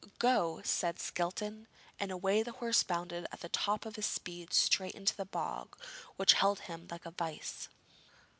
'Go!' said Skelton, and away the horse bounded at the top of his speed straight into the bog, which held him like a vice.